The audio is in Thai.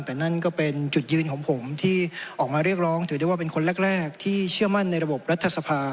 แต่นั่นก็เป็นจุดยืนของผมที่ออกมาเรียกร้องถือได้ว่าเป็นคนแรกที่เชื่อมั่นในระบบรัฐสภา